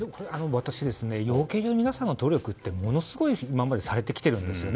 私、養鶏場の皆さんの努力ってものすごい今までされてきているんですよね。